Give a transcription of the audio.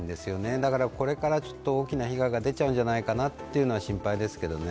だからこれから大きな被害が出ちゃうんじゃないかなというのは心配ですけどね。